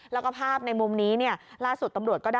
แล้วก็ภาพในมุมนี้ล่าสุดตำรวจก็ได้ทราบในมุมนี้ไปด้วยเหมือนกัน